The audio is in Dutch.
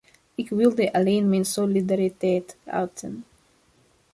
Ik wilde alleen mijn solidariteit uiten.